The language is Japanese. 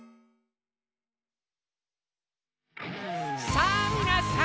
さぁみなさん！